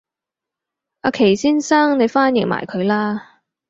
阿祁先生你翻譯埋佢啦